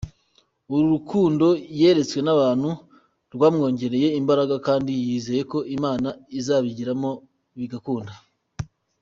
Uru rukundo yeretswe n'abantu rwamwongeye imbaraga kandi yizeye ko Imana izabijyamo bigakunda.